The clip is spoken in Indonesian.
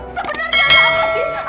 sebenarnya apa sih